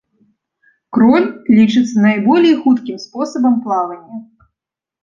Кроль лічыцца найболей хуткім спосабам плавання.